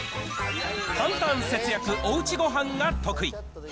簡単、節約おうちごはんが得意。